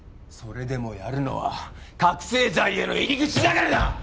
それでもやるのは覚醒剤への入り口だからだ